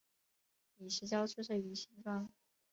李石樵出生于新庄